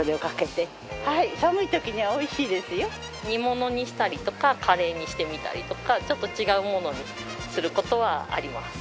煮物にしたりとかカレーにしてみたりとかちょっと違うものにする事はあります。